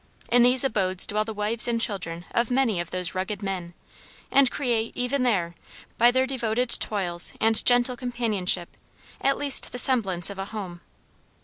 In these abodes dwell the wives and children of many of those rugged men, and create even there, by their devoted toils and gentle companionship, at least the semblance of a home.